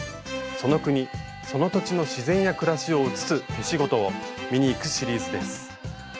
その国その土地の自然や暮らしをうつす手仕事を見に行くシリーズです。